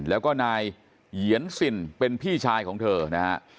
แล้วก็นายเหยียนสินเป็นพี่ชายของเธอนะฮะ